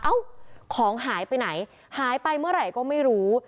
ของหายไปไหนหายไปเมื่อไหร่ก็ไม่รู้